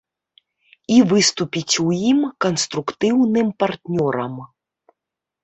І выступіць у ім канструктыўным партнёрам.